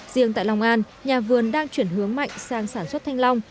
riêng tại long an nhà vườn đang chuyển hướng mạnh sang sản xuất thanh long